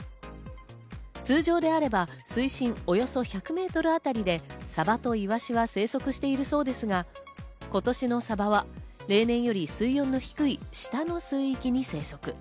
通常であれば水深およそ１００メートルあたりでサバとイワシは生息しているそうですが、今年のサバは例年より水温の低い下の水域に生息。